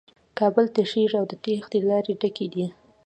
کابل تشېږي او د تېښې لارې ډکې دي.